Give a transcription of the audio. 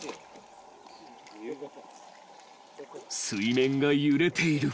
［水面が揺れている］